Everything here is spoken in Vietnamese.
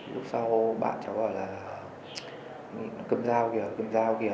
lúc sau bạn cháu gọi là cầm dao kìa cầm dao kìa